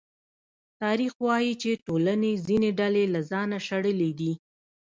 تاریخ وايي چې ټولنې ځینې ډلې له ځانه شړلې دي.